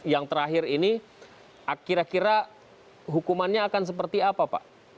yang terakhir ini kira kira hukumannya akan seperti apa pak